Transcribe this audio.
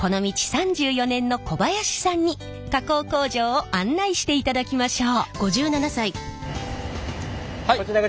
３４年の小林さんに加工工場を案内していただきましょう！